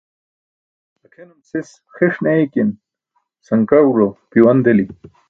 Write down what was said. Akʰenum sis xiṣ ne eykin, sankaẏulo piwan deli.